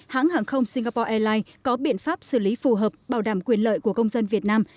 hãng hàng không singapore airlines có biện pháp xử lý phù hợp bảo đảm quyền lợi của công dân việt nam